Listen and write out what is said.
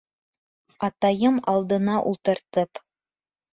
Атайым алдына ултыртып: